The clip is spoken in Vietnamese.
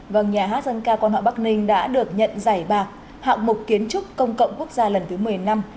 vâng nhà hát dân ca quan họ bắc ninh đã được nhận giải bạc hạng mục kiến trúc công cộng quốc gia lần thứ một mươi năm